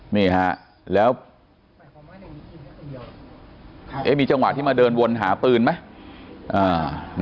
นี่ฮะแล้วมีจังหวะที่มาเดินวนหาปืนไหม